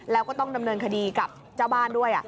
แล้วก็ต้องดำเนินคดีกับเจ้าบ้านด้วย